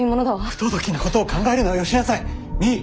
不届きなことを考えるのはよしなさい。